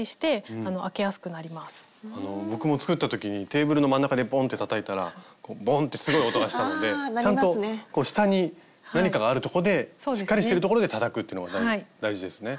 僕も作った時にテーブルの真ん中でポンッてたたいたらボンッてすごい音がしたのでちゃんとこう下に何かがあるとこでしっかりしてるところでたたくっていうのが大事ですね。